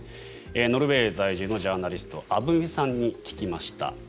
ノルウェー在住のジャーナリスト鐙さんに聞きました。